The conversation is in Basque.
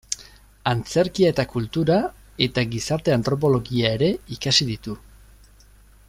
Antzerkia eta Kultura eta Gizarte Antropologia ere ikasi ditu.